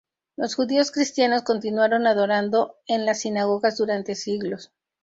Los judíos cristianos continuaron adorando en las sinagogas durante siglos.